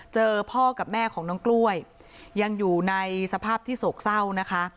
เจอพ่อกับแม่ของน้องกล้วยยังอยู่ในสภาพที่โศกเศร้านะคะ